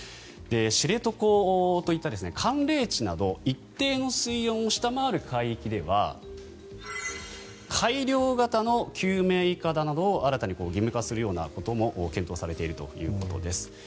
知床といった寒冷地など一定の水温を下回る海域では改良型の救命いかだなどを新たに義務化するようなことも検討されているということです。